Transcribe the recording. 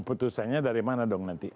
putusannya dari mana dong nanti